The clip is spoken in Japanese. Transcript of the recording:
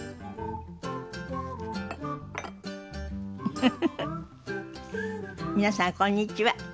フフフフ皆さんこんにちは。